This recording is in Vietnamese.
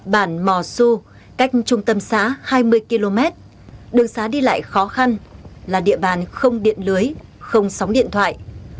bản mò su cách trung tâm xã hai mươi km đường xá đi lại khó khăn là địa bàn không điện lưới không sóng điện thoại